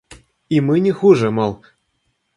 И мы не хуже, мол!